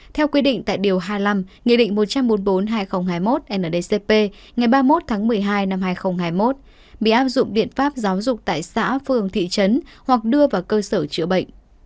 theo quy định tại điều hai mươi năm nghị định một trăm bốn mươi bốn hai nghìn hai mươi một ndcp ngày ba mươi một tháng một mươi hai năm hai nghìn hai mươi một bị áp dụng biện pháp giáo dục tại xã phường thị trấn hoặc đưa vào cơ sở chữa bệnh